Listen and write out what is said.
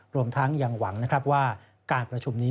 รวมทั้งอย่างหวังว่าการประชุมนี้